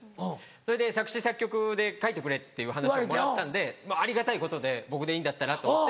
それで作詞作曲で書いてくれっていう話をもらったんでありがたいことで僕でいいんだったらと思って。